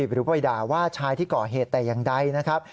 หรือไปด่าว่าชายที่ก่อเหตุแต่อย่างใดนะครับ